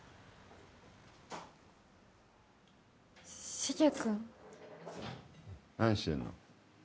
しげ君何してんの？